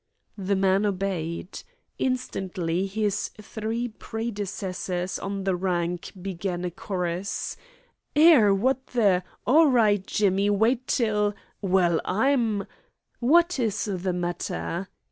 The man obeyed. Instantly his three predecessors on the rank began a chorus: "'Ere! Wot th' " "All right, Jimmy. Wait till " "Well, I'm " "What is the matter?"